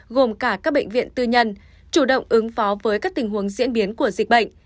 gồm cả các bệnh viện tư nhân chủ động ứng phó với các tình huống diễn biến của dịch bệnh